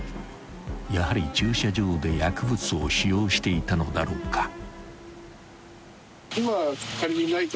［やはり駐車場で薬物を使用していたのだろうか］